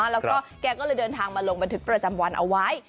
แล้วก็แกก็เลยเดินทางมาลงบันทึกประจำวันเอาไว้